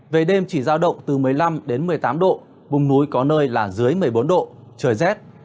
về đêm chỉ giao động từ một mươi năm đến một mươi tám độ vùng núi có nơi là dưới một mươi bốn độ trời rét